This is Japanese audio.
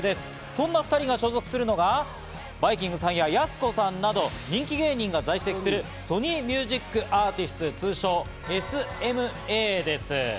そんな２人が所属するのが、バイきんぐさんや、やす子さんなど、人気芸人が在籍するソニー・ミュージックアーティスツ、通称ＳＭＡです。